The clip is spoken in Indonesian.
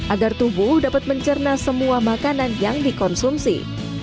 agar tubuh dapat mencerna semua makanan yang dikonsumsi